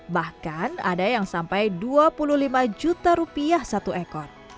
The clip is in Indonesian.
bahkan ada yang sampai dua puluh lima juta rupiah satu ekor